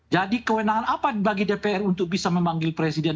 jadi kewenangan apa bagi dpr untuk bisa memanggil presiden